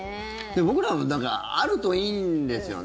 僕らはあるといいんですよね。